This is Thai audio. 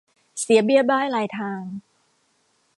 เสียเบี้ยบ้ายรายทาง